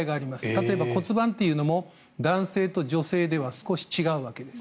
例えば、骨盤というのも男性と女性では少し違うわけです。